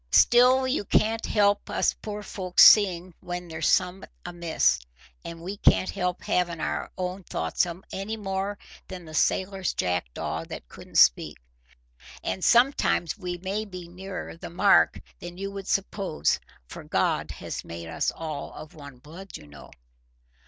Still you can't help us poor folks seeing when there's summat amiss, and we can't help havin' our own thoughts any more than the sailor's jackdaw that couldn't speak. And sometimes we may be nearer the mark than you would suppose, for God has made us all of one blood, you know."